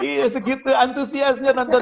iya segitu antusiasnya nonton